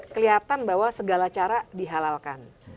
kelihatan bahwa segala cara dihalalkan